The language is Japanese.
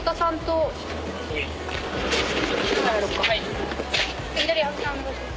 はい。